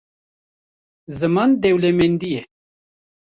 Ziman dewlemendî ye.